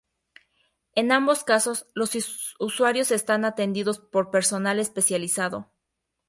En ambos casos, los usuarios están atendidos por personal especializado.